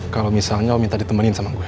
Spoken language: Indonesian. kalo misalnya lo minta ditemenin sama gue